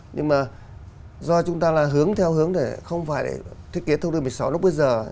nhưng mà do chúng ta là hướng theo hướng để không phải để thiết kế thông tư một mươi sáu lúc bây giờ